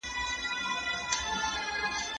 دولت بايد د کليسا اطاعت وکړي.